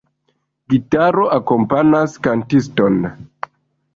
Gitaro akompanas kantiston.